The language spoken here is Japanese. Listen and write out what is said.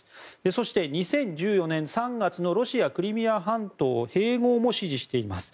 そして２０１４年３月のロシア、クリミア半島の併合も支持しています。